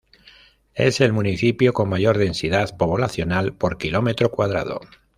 Es el municipio con mayor densidad poblacional por kilómetro cuadrado.